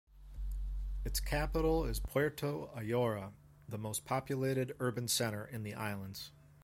Its capital is Puerto Ayora, the most populated urban centre in the islands.